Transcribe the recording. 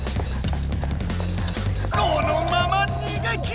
このまま逃げ切れ！